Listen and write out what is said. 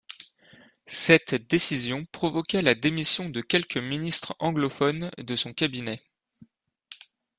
Cette décision provoqua la démission de quelques ministres anglophones de son cabinet.